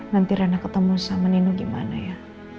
nanti rana ketemu sama nino gimana ya